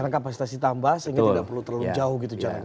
karena kapasitas ditambah sehingga tidak perlu terlalu jauh gitu caranya